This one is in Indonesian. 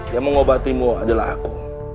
yang mengobatimu adalah aku